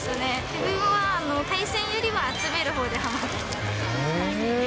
自分は、対戦よりは集めるほうにはまってます。